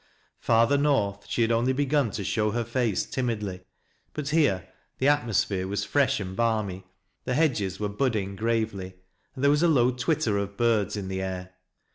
Farther north she had only begun to show her face timidly, but here the atmosphere was fresh and balmy, the hedges were budding bravely, and there was a low twitter of birds in the air.